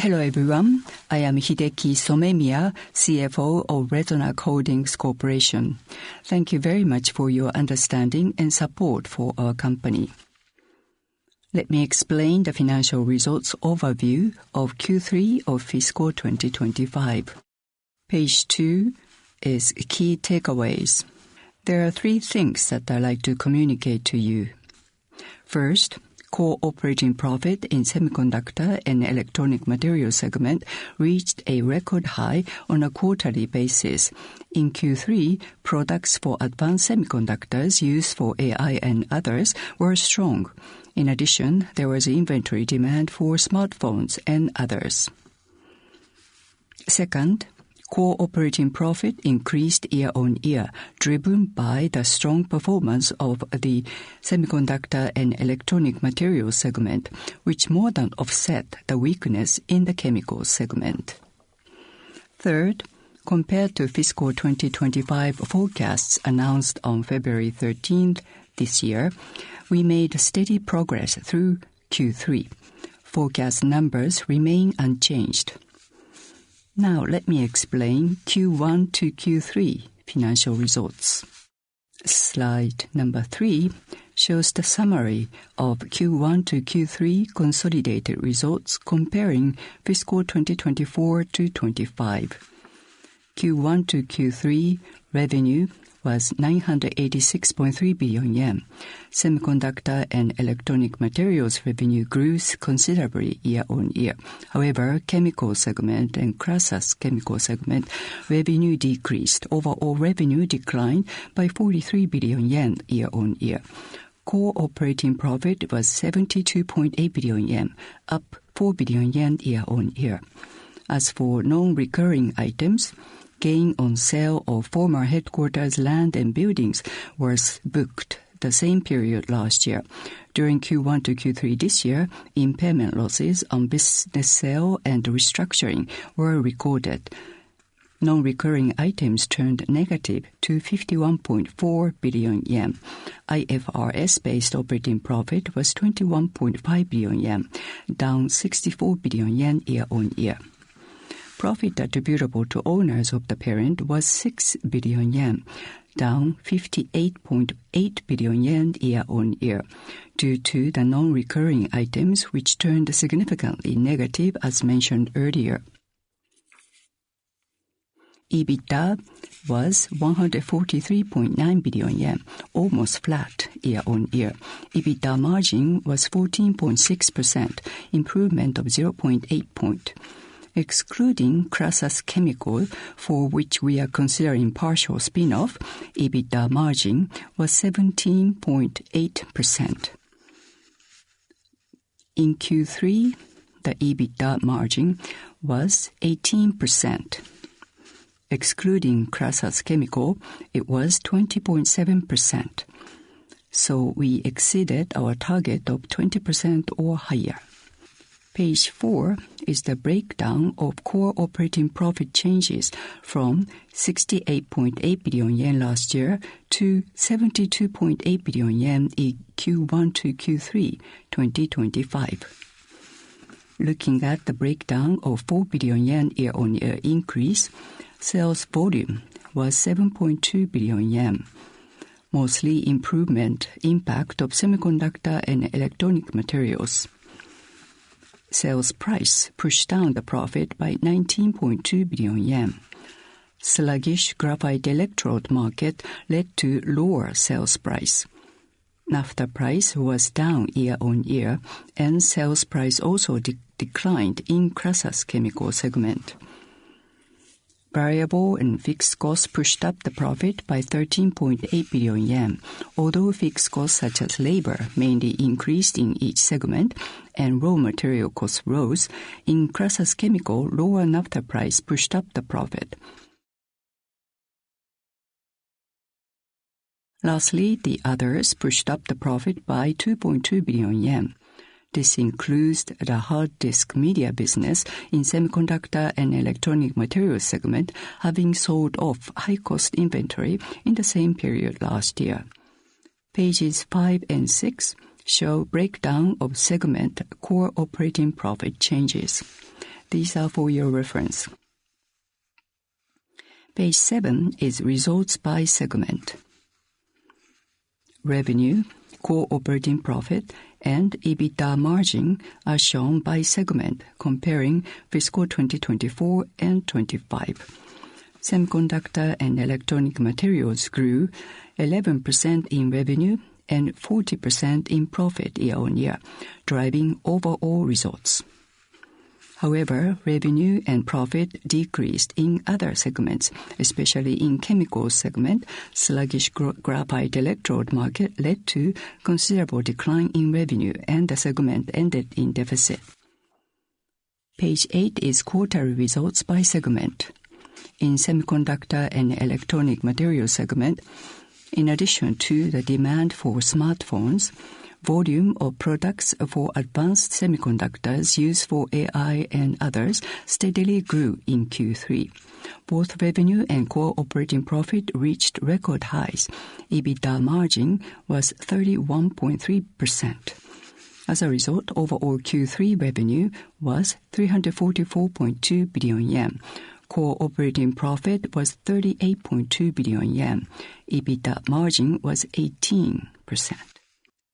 Hello everyone, I am Hideki Somemiya, CFO of Resonac Holdings Corporation. Thank you very much for your understanding and support for our company. Let me explain the Financial Results Overview of Q3 of Fiscal 2025. Page two is key takeaways. There are three things that I'd like to communicate to you. First, core operating profit in Semiconductor and Electronic Materials segment reached a record high on a quarterly basis. In Q3, products for advanced Semiconductors used for AI and others were strong. In addition, there was inventory demand for smartphones and others. Second, core operating profit increased year-on-year, driven by the strong performance of the Semiconductor and Electronic Materials segment, which more than offset the weakness in the Chemicals segment. Third, compared to fiscal 2025 forecasts announced on February 13th this year, we made steady progress through Q3. Forecast numbers remain unchanged. Now, let me explain Q1-Q3 financial results. Slide number three shows the summary of Q1-Q3 consolidated results comparing fiscal 2024 to 2025. Q1-Q3 revenue was 986.3 billion yen. Semiconductor and Electronic Materials revenue grew considerably year-on-year. However, Chemicals segment and rocess Chemicals segment revenue decreased. Overall revenue declined by 43 billion yen year-on-year. Core operating profit was 72.8 billion yen, up 4 billion yen year-on-year. As for non-recurring items, gain on sale of former headquarters land and buildings was booked the same period last year. During Q1-Q3 this year, impairment losses on business sale and restructuring were recorded. Non-recurring items turned negative to 51.4 billion yen. IFRS-based operating profit was 21.5 billion yen, down 64 billion yen year-on-year. Profit attributable to owners of the parent was 6 billion yen, down 58.8 billion yen year-on-year, due to the non-recurring items which turned significantly negative as mentioned earlier. EBITDA was 143.9 billion yen, almost flat year-on-year. EBITDA margin was 14.6%, improvement of 0.8%. Excluding Process Chemical for which we are considering partial spin-off, EBITDA margin was 17.8%. In Q3, the EBITDA margin was 18%. Excluding Process Chemical, it was 20.7%. We exceeded our target of 20% or higher. Page four is the breakdown of core operating profit changes from 68.8 billion yen last year to 72.8 billion yen in Q1-Q3 2025. Looking at the breakdown of 4 billion yen year-on-year increase, sales volume was 7.2 billion yen, mostly improvement impact of Semiconductor and Electronic Materials. Sales price pushed down the profit by 19.2 billion yen. Sluggish Graphite Electrode market led to lower sales price. Naphtha price was down year-on-year, and sales price also declined in Process Chemical segment. Variable and fixed costs pushed up the profit by 13.8 billion yen. Although fixed costs such as labor mainly increased in each segment and raw material costs rose, in Process Chemical, lower Naphtha price pushed up the profit. Lastly, the others pushed up the profit by 2.2 billion yen. This includes the Hard Disk Media business in Semiconductor and Electronic Materials segment, having sold off high-cost inventory in the same period last year. Pages five and six show breakdown of segment core operating profit changes. These are for your reference. Page seven is results by segment. Revenue, core operating profit, and EBITDA margin are shown by segment comparing fiscal 2024 and 2025. Semiconductor and Electronic Materials grew 11% in revenue and 40% in profit year-on-year, driving overall results. However, revenue and profit decreased in other segments, especially in Chemicals segment. Sluggish Graphite Electrode market led to considerable decline in revenue, and the segment ended in deficit. Page eight is quarterly results by segment. In Semiconductor and Electronic Materials segment, in addition to the demand for smartphones, volume of products for advanced Semiconductors used for AI and others steadily grew in Q3. Both revenue and core operating profit reached record highs. EBITDA margin was 31.3%. As a result, overall Q3 revenue was 344.2 billion yen. Core operating profit was 38.2 billion yen. EBITDA margin was 18%.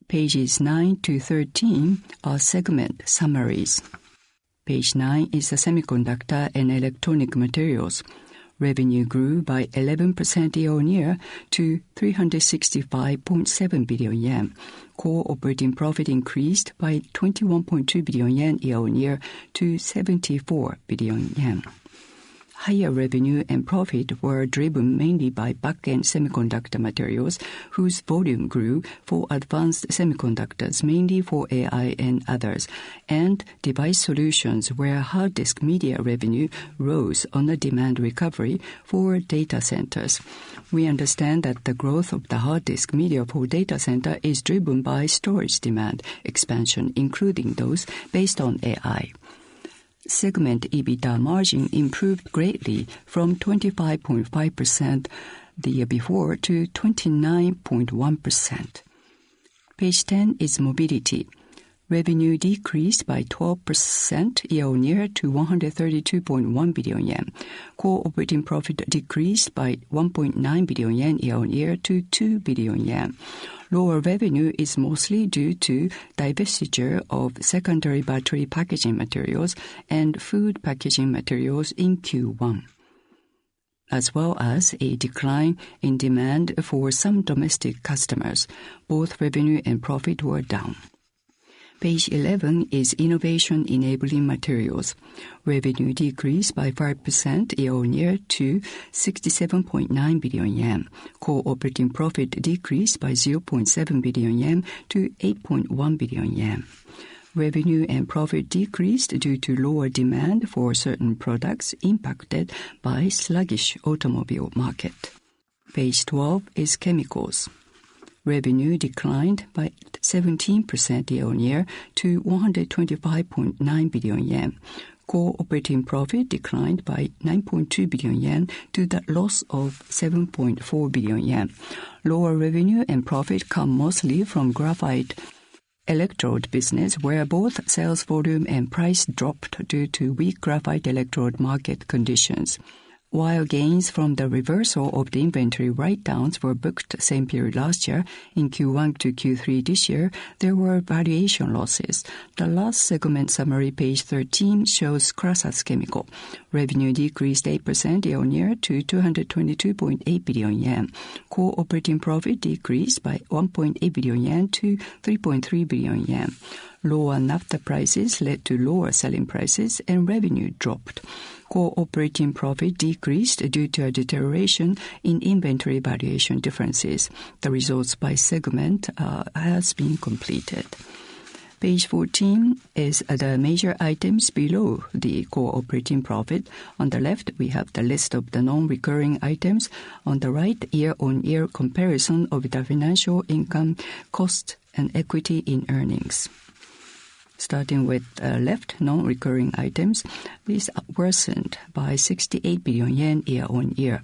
Pages nine to 13 are segment summaries. Page nine is Semiconductor and Electronic Materials. Revenue grew by 11% year-on-year to 365.7 billion yen. Core operating profit increased by 21.2 billion yen year-on-year to 74 billion yen. Higher revenue and profit were driven mainly by Back-end Semiconductor Materials, whose volume grew for advanced Semiconductors, mainly for AI and others, and device solutions, where Hard Disk Media revenue rose on the demand recovery for data centers. We understand that the growth of the Hard Disk Media for data center is driven by storage demand expansion, including those based on AI. Segment EBITDA margin improved greatly from 25.5% the year before to 29.1%. Page 10 is mobility. Revenue decreased by 12% year-on-year to 132.1 billion yen. Core operating profit decreased by 1.9 billion yen year-on-year to 2 billion yen. Lower revenue is mostly due to divestiture of secondary battery packaging materials and food packaging materials in Q1, as well as a decline in demand for some domestic customers. Both revenue and profit were down. Page 11 is innovation-enabling materials. Revenue decreased by 5% year-on-year to 67.9 billion yen. Core operating profit decreased by 0.7 billion yen to 8.1 billion yen. Revenue and profit decreased due to lower demand for certain products impacted by sluggish automobile market. Page 12 is chemicals. Revenue declined by 17% year-on-year to 125.9 billion yen. Core operating profit declined by 9.2 billion yen to the loss of 7.4 billion yen. Lower revenue and profit come mostly from Graphite Electrode business, where both sales volume and price dropped due to weak Graphite Electrode market conditions. While gains from the reversal of the inventory write-downs were booked same period last year, in Q1-Q3 this year, there were variation losses. The last segment summary, page 13, shows Process Chemical. Revenue decreased 8% year-on-year to 222.8 billion yen. Core operating profit decreased by 1.8 billion yen to 3.3 billion yen. Lower Naphtha prices led to lower selling prices, and revenue dropped. Core operating profit decreased due to a deterioration in inventory variation differences. The results by segment has been completed. Page 14 is the major items below the core operating profit. On the left, we have the list of the non-recurring items. On the right, year-on-year comparison of the financial income cost and equity in earnings. Starting with the left non-recurring items, these worsened by 68 billion yen year-on-year.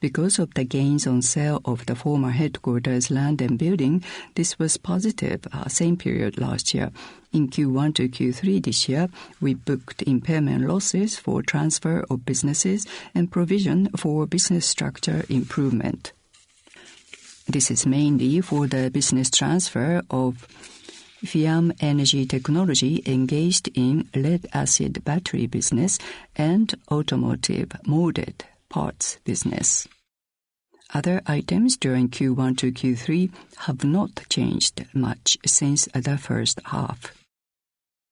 Because of the gains on sale of the former headquarters land and building, this was positive same period last year. In Q1-Q3 this year, we booked impairment losses for transfer of businesses and provision for business structure improvement. This is mainly for the business transfer of FIAMM Energy Technology engaged in Lead-Acid Battery business and Automotive Molded Parts Business. Other items during Q1-Q3 have not changed much since the first half.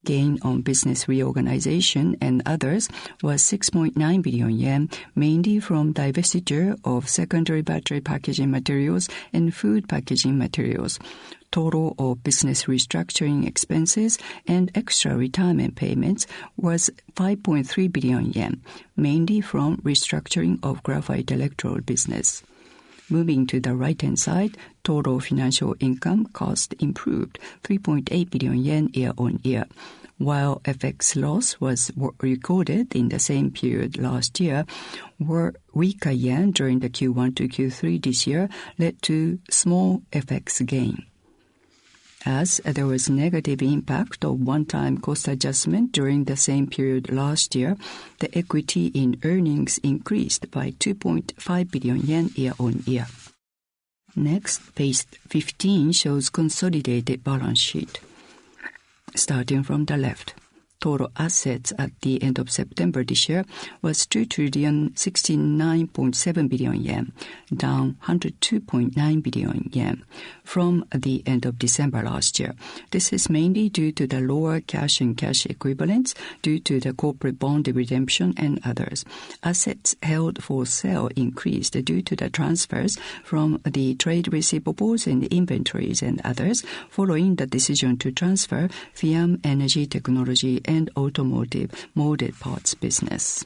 Gain on business reorganization and others was 6.9 billion yen, mainly from divestiture of secondary battery packaging materials and food packaging materials. Total of business restructuring expenses and extra retirement payments was 5.3 billion yen, mainly from restructuring of Graphite Electrode business. Moving to the right-hand side, total financial income cost improved 3.8 billion yen year-on-year. While FX loss was recorded in the same period last year, weaker yen during Q1-Q3 this year led to small FX gain. As there was negative impact of one-time cost adjustment during the same period last year, the equity in earnings increased by 2.5 billion yen year-on-year. Next, page 15 shows consolidated balance sheet. Starting from the left, total assets at the end of September this year was 2,069.7 billion yen, down 102.9 billion yen from the end of December last year. This is mainly due to the lower cash and cash equivalents due to the corporate bond redemption and others. Assets held for sale increased due to the transfers from the trade receivables and inventories and others following the decision to transfer FIAMM Energy Technology and Automotive Molded Parts Business.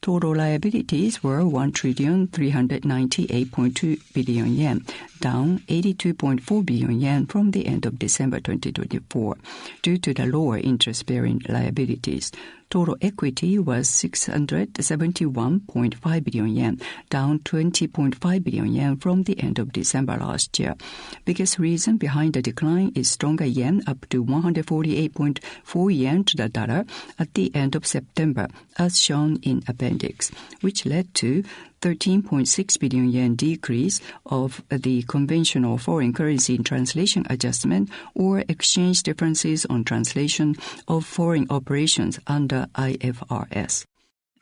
Total liabilities were 1,398.2 billion yen, down 82.4 billion yen from the end of December 2024 due to the lower interest-bearing liabilities. Total equity was 671.5 billion yen, down 20.5 billion yen from the end of December last year. Biggest reason behind the decline is stronger yen up to 148.4 yen to the dollar at the end of September, as shown in appendix, which led to 13.6 billion yen decrease of the conventional foreign currency in translation adjustment or exchange differences on translation of foreign operations under IFRS.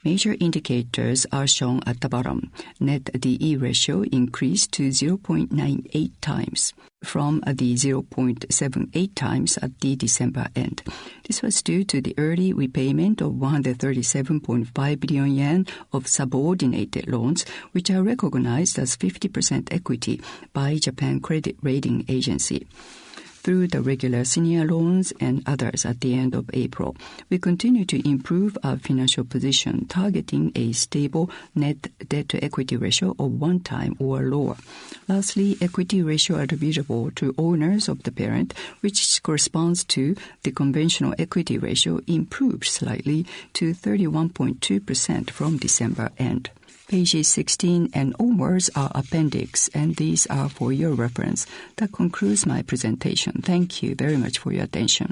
Major indicators are shown at the bottom. Net D/E ratio increased to 0.98 times from the 0.78 times at the December end. This was due to the early repayment of 137.5 billion yen of subordinated loans, which are recognized as 50% equity by Japan Credit Rating Agency through the regular senior loans and others at the end of April. We continue to improve our financial position, targeting a stable net debt to equity ratio of one time or lower. Lastly, equity ratio attributable to owners of the parent, which corresponds to the conventional equity ratio, improved slightly to 31.2% from December end. Pages 16 and onwards are appendix, and these are for your reference. That concludes my presentation. Thank you very much for your attention.